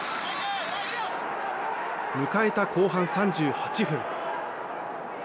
迎えた後半３８分。